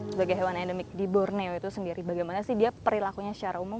sebagai hewan endemik di borneo itu sendiri bagaimana sih dia perilakunya secara umum